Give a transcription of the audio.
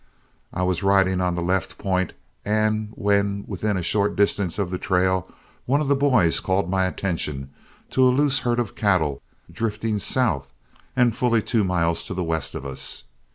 I was riding on the left point, and when within a short distance of the trail, one of the boys called my attention to a loose herd of cattle, drifting south and fully two miles to the west of us.